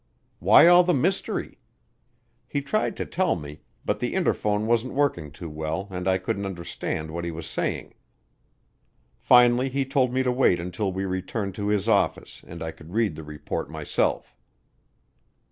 Why all the mystery? He tried to tell me, but the interphone wasn't working too well and I couldn't understand what he was saying. Finally he told me to wait until we returned to his office and I could read the report myself.